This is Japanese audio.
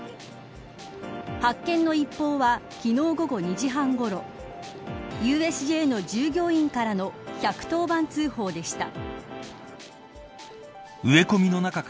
発見の一報は昨日、午後２時半ごろＵＳＪの従業員からの１１０番通報でした。